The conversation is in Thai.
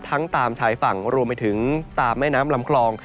ตามชายฝั่งรวมไปถึงตามแม่น้ำลำคลอง